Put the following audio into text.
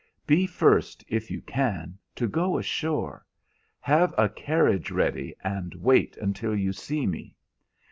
Be first, if you can, to go ashore; have a carriage ready, and wait until you see me.